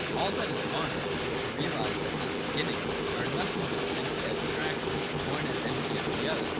All that is wanted is to realise that these beginnings are nothing but these empty abstractions, one as empty as the other.